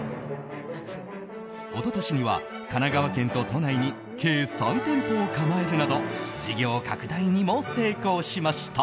一昨年には神奈川県と都内に計３店舗を構えるなど事業拡大にも成功しました。